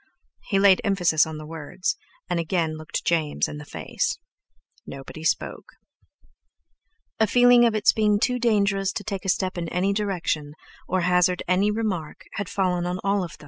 He laid emphasis on the words, and again looked James in the face. Nobody spoke. A feeling of its being too dangerous to take a step in any direction, or hazard any remark, had fallen on them all.